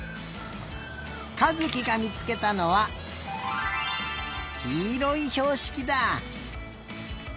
かずきがみつけたのはきいろいひょうしきだ。